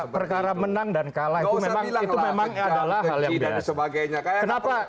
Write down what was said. perkara menang dan kalah itu memang adalah hal yang benar